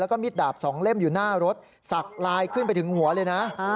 แล้วก็มิดดาบสองเล่มอยู่หน้ารถสักลายขึ้นไปถึงหัวเลยนะ